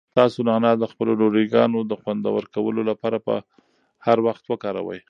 تاسو نعناع د خپلو ډوډۍګانو د خوندور کولو لپاره په هر وخت وکاروئ.